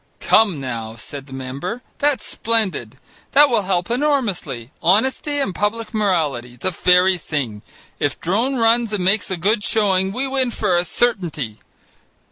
"Come now," said the member, "that's splendid: that will help enormously. Honesty and public morality! The very thing! If Drone runs and makes a good showing, we win for a certainty.